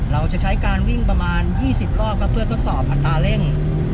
เราจะใช้การวิ่งประมาณ๒๐รอบครับเพื่อทดสอบอัตราเร่ง